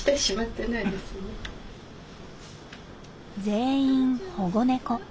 全員保護猫。